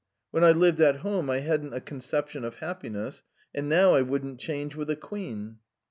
When I lived at home I had no notion of happiness, and now I would not change places with a queen."